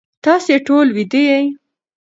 تاسی ټول ویده یی